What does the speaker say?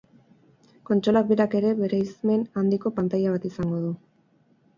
Kontsolak berak ere bereizmen handiko pantaila bat izango du.